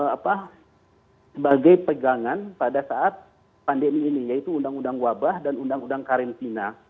apa sebagai pegangan pada saat pandemi ini yaitu undang undang wabah dan undang undang karantina